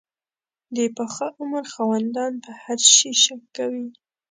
د پاخه عمر خاوندان په هر شي شک کوي.